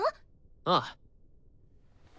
ああ。